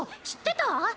知ってた？